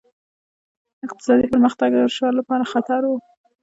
اقتصادي پرمختګ د مشرانو لپاره خطر و.